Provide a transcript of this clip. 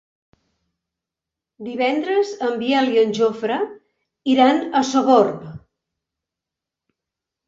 Divendres en Biel i en Jofre iran a Sogorb.